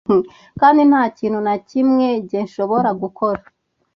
Kandi nta kintu na kimwe njye, nshobora gukora